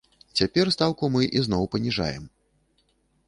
Цяпер стаўку мы ізноў паніжаем.